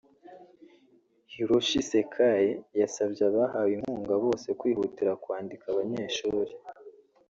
Hiroshi Sekai yasabye abahawe inkunga bose kwihutira kwandika abanyeshuri